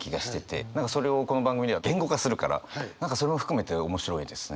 何かそれをこの番組では言語化するから何かそれも含めて面白いですね。